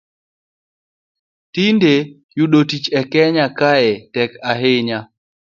Tinde yudo tich e kenya kae tek ahinya